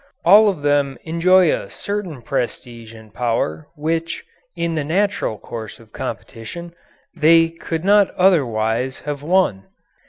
All of them enjoy a certain prestige and power which, in the natural course of competition, they could not otherwise have won.